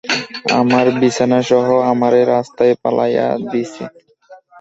আমার বিছানা সহ, আমারে রাস্তায় ফালায়া দিছে।